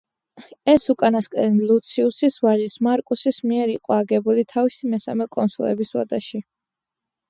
ეს უკანასკნელი ლუციუსის ვაჟის, მარკუსის მიერ იყო აგებული თავისი მესამე კონსულობის ვადაში.